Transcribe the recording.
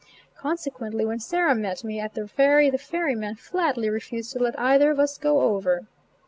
Consequently when Sarah met me at the ferry, the ferryman flatly refused to let either of us go over.